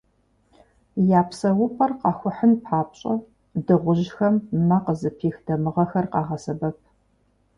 Я псэупӏэр «къахухьын» папщӏэ, дыгъужьхэм мэ къызыпих дамыгъэхэр къагъэсэбэп.